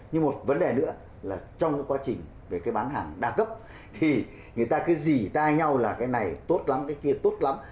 nhưng một vấn đề nữa là trong cái quá trình về cái bán hàng đa cấp thì người ta cứ dỉ tai nhau là cái này tốt lắm cái kia tốt lắm